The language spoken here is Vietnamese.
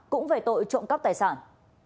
cũng về tội trộm cắp tài sản